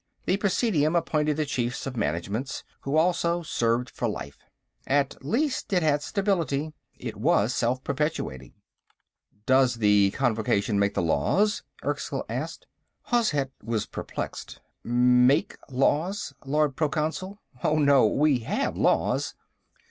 The Presidium appointed the Chiefs of Managements, who also served for life. At least, it had stability. It was self perpetuating. "Does the Convocation make the laws?" Erskyll asked. Hozhet was perplexed. "Make laws, Lord Proconsul? Oh, no. We have laws."